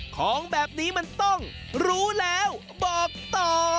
ของแบบนี้มันต้องรู้แล้วบอกต่อ